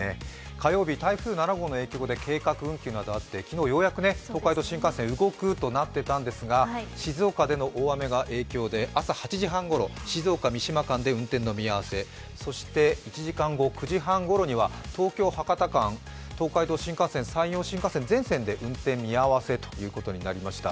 火曜日、台風７号の影響で計画運休などあって、昨日、ようやく東海道新幹線、動くとなっていたんですが静岡での大雨があって、朝８時半ごろ静岡・三島間で運転の見合わせ、そして１時間後、９時半ごろには東京−博多間、東海道新幹線、山陽新幹線、全線で運転見合わせということになりました。